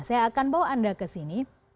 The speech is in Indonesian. saya akan bawa anda ke sini